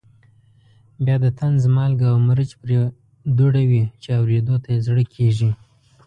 بیا د طنز مالګه او مرچ پرې دوړوي چې اورېدو ته یې زړه کېږي.